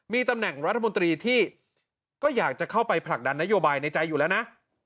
มีตำแหน่งรัฐมนตรีที่ก็อยากจะเข้าไปผลักดันนโยบายในใจอยู่แล้วนะ